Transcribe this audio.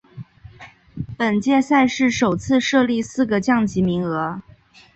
本届赛事首次设立四个降级名额。